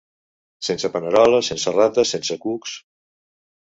Sense paneroles, sense rates, sense cucs!